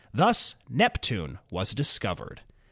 Thus Neptune was discovered.